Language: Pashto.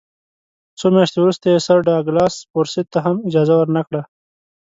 څو میاشتې وروسته یې سر ډاګلاس فورسیت ته هم اجازه ورنه کړه.